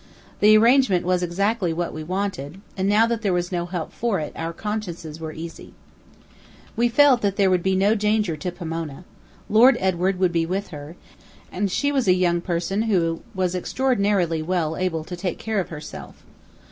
The arrangement was exactly what we wanted, and now that there was no help for it, our consciences were easy. We felt sure that there would be no danger to Pomona. Lord Edward would be with her, and she was a young person who was extraordinarily well able to take care of herself.